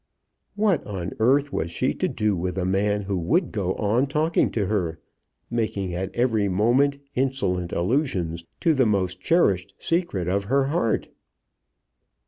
What on earth was she to do with a man who would go on talking to her, making at every moment insolent allusions to the most cherished secret of her heart!